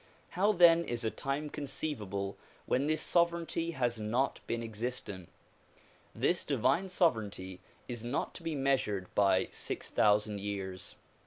How then is a time conceivable when this sovereignty has not been existent ? This divine sovereignty is not to be measured by six thousand years.